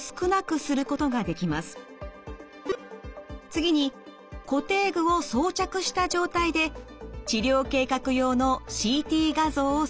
次に固定具を装着した状態で治療計画用のＣＴ画像を撮影。